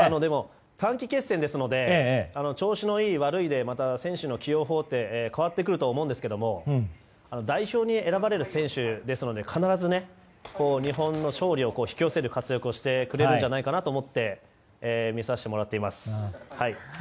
短期決戦ですので調子のいい、悪いで選手の起用法って変わってくると思うんですが代表に選ばれる選手ですので必ず日本の勝利を引き寄せる活躍をしてくれるんじゃないかと思って見させてもらっています。